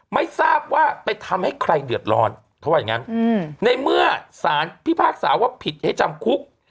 ไม่ทราบว่าไปทำให้ใครเดือดร้อนเขาว่าอย่างนั้นในเมื่อสารพิพากษาว่าผิดให้จำคุก